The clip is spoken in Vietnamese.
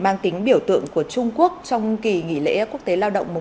mang tính biểu tượng của trung quốc trong kỳ nghỉ lễ quốc tế lao động một